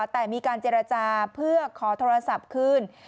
แต่มีการเจรจาขอโทรศัพท์ขึ้น